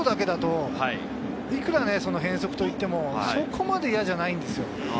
外だけだといくら変則といっても、そこまで嫌じゃないんですよ。